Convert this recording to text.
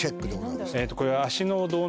これは。